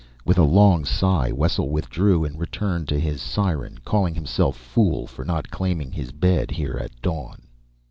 With a long sigh Wessel withdrew and returned to his siren, calling himself fool for not claiming his bed here at dawn.